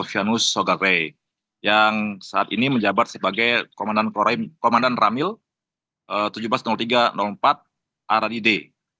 vianus sogak ray yang saat ini menjabat sebagai komandan korea komandan ramil seribu tujuh ratus tiga empat aradide